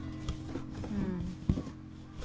うん。